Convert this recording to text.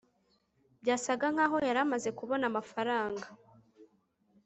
byasaga nkaho yari amaze kubona amafaranga